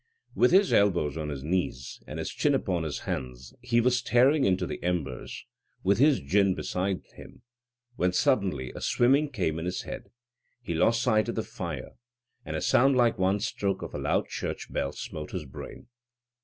With his elbows on his knees, and his chin upon his hands, he was staring into the embers, with his gin beside him, when suddenly a swimming came in his head, he lost sight of the fire, and a sound like one stroke of a loud church bell smote his brain.